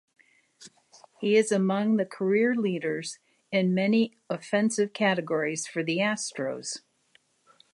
He is among the career leaders in many offensive categories for the Astros.